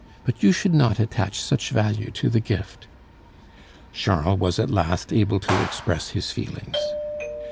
But you should not attach such value to the gift." Charles was at last able to express his feelings.